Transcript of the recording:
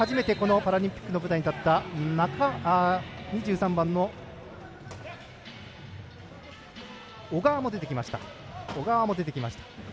そして、きのう初めてパラリンピックの舞台に立った２３番の小川も出てきました。